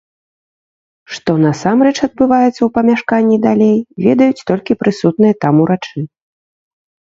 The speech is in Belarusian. Што насамрэч адбываецца ў памяшканні далей, ведаюць толькі прысутныя там урачы.